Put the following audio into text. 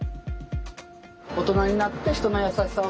大人になって人の優しさを。